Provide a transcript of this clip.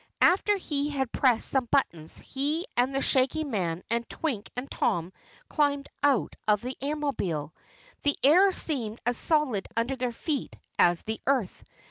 After he had pressed some buttons, he and the Shaggy Man and Twink and Tom climbed out of the Airmobile. The air seemed as solid under their feet as the earth.